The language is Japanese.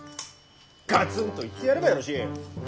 がつんと言ってやればよろしい。